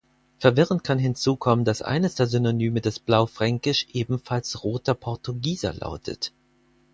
Verwirrend kann hinzukommen, dass eines der Synonyme des Blaufränkisch ebenfalls Rother Portugieser lautet.